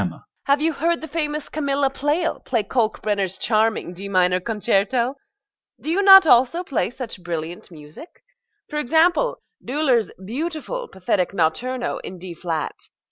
GOLD (to Emma). Have you heard the famous Camilla Pleyel play Kalkbrenner's charming D minor concerto? Do you not also play such brilliant music? for example, Döhler's beautiful, pathetic Notturno in D flat.